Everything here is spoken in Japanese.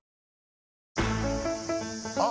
あ！